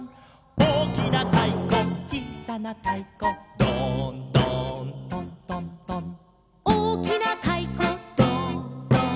「おおきなたいこちいさなたいこ」「ドーンドーントントントン」「おおきなたいこドーンドーン」